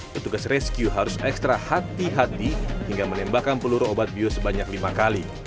petugas rescue harus ekstra hati hati hingga menembakkan peluru obat bio sebanyak lima kali